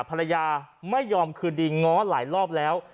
ภรรยาไม่ยอมคืนดีง้อหลายรอบแล้ว